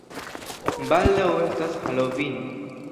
Baldaŭ estas Halovino.